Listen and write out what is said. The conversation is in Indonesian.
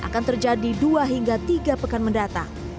akan terjadi dua hingga tiga pekan mendatang